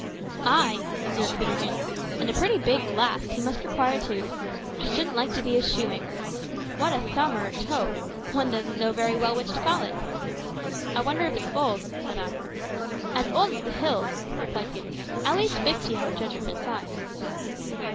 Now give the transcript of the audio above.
"Ay," observed Peterkin, "and a pretty big last he must require, too. I shouldn't like to be his shoemaker. What a thumb, or a toe. One doesn't know very well which to call it." "I wonder if it's old?" said I. "As old as the hills," replied Peterkin; "at least 50 I would judge from its size."